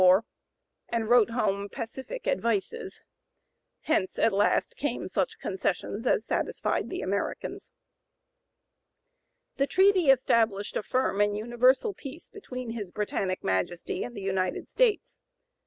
094) war, and wrote home pacific advices. Hence, at last, came such concessions as satisfied the Americans. The treaty established "a firm and universal peace between his Britannic Majesty and the United States."